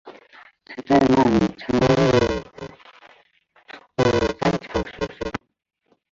她在那里参与创办了三桥学校。